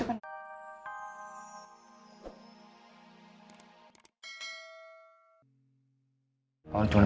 kamu itu kena